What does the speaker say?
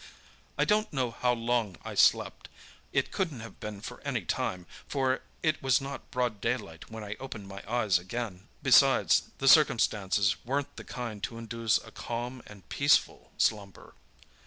"I don't know how long I slept—it couldn't have been for any time, for it was not broad daylight when I opened my eyes again. Besides, the circumstances weren't the kind to induce calm and peaceful slumber.